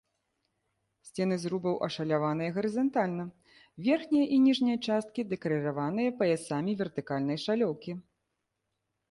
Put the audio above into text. Сцены зрубаў ашаляваныя гарызантальна, верхняя і ніжняя часткі дэкарыраваныя паясамі вертыкальнай шалёўкі.